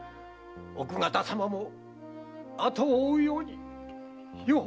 奥方様も後を追うように世を去られ！